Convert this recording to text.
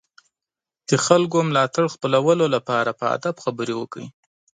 د خلکو ملاتړ خپلولو لپاره په ادب خبرې وکړئ.